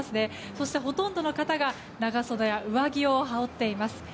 そして、ほとんどの方が長袖や上着を羽織っています。